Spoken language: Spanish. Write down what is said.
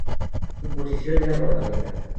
Su posición era guardameta.